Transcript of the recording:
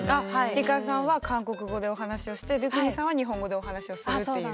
梨花さんは韓国語でお話をしてドゥクニさんは日本語でお話をするっていう。